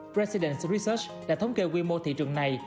president research đã thống kê quy mô thị trường này